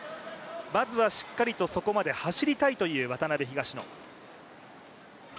まずは、しっかりとそこまで走りたいという渡辺・東野。